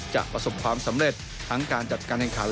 ประสบความสำเร็จทั้งการจัดการแข่งขัน